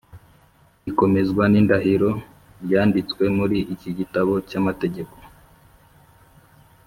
rikomezwa n indahiro ryanditswe muri iki gitabo cy amategeko